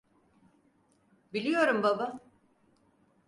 Biliyorum baba.